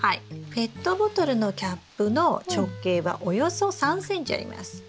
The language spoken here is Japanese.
ペットボトルのキャップの直径はおよそ３ｃｍあります。